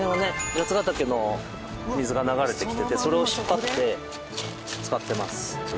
八ヶ岳の水が流れてきててそれを引っ張って使ってます。